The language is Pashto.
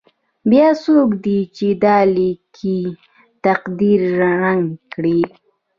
بیا څوک دی چې دا لیکلی تقدیر ړنګ کړي.